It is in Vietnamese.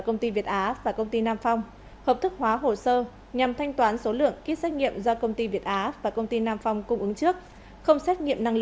bệnh viện tp thủ đức mua kích xét nghiệm việt á từ công ty nam phong là chín bảy tỷ đồng